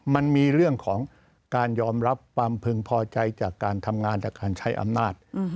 มันมีเรื่องของการยอมรับความพึงพอใจจากการทำงานจากการใช้อำนาจ